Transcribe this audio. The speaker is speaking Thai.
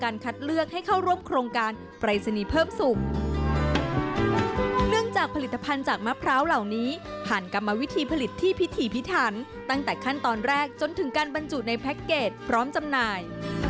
เนื่องจากผลิตภัณฑ์จากมะพร้าวเหล่านี้ผ่านกรรมวิธีผลิตที่พิธีพิถันตั้งแต่ขั้นตอนแรกจนถึงการบรรจุในแพ็คเกจพร้อมจำหน่าย